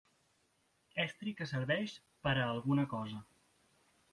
Estri que serveix per a alguna cosa.